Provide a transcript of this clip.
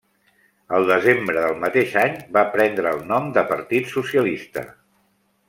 El desembre del mateix any va prendre el nom de Partit Socialista.